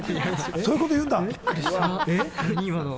そういうことを言うんだ。